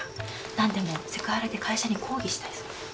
何でもセクハラで会社に抗議したいそうです。